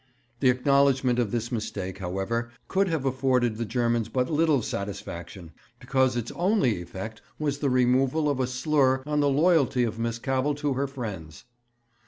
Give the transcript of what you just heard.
The acknowledgement of this mistake, however, could have afforded the Germans but little satisfaction, because its only effect was the removal of a slur on the loyalty of Miss Cavell to her friends.